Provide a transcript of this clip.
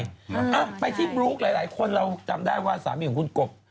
อ่ะไปที่บลุ๊กหลายคนเราจำได้ว่าสามีของคุณกบ